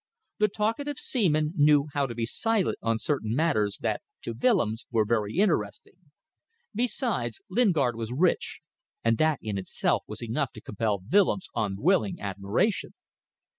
The talkative seaman knew how to be silent on certain matters that to Willems were very interesting. Besides, Lingard was rich, and that in itself was enough to compel Willems' unwilling admiration.